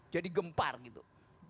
jadi gempar gitu